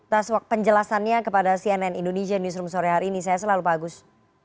atas penjelasannya kepada cnn indonesia newsroom sore hari ini saya selalu pak agus